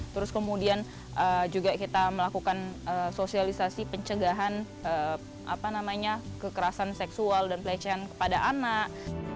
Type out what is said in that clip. terus kemudian juga kita melakukan sosialisasi pencegahan kekerasan seksual dan pelecehan kepada anak